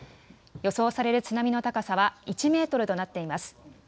予想される津波の高さは１メートルとなっています。